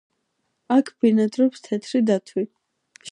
აქ ბინადრობს თეთრი დათვი.